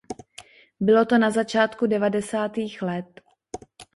Bylo to na začátku devadesátých let.